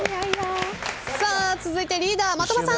続いてリーダー的場さん。